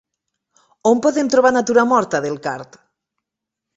On podem trobar Natura morta del card?